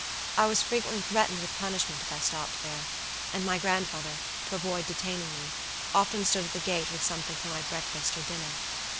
I was frequently threatened with punishment if I stopped there; and my grandmother, to avoid detaining me, often stood at the gate with something for my breakfast or dinner.